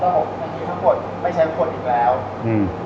สวัสดีครับผมชื่อสามารถชานุบาลชื่อเล่นว่าขิงถ่ายหนังสุ่นแห่ง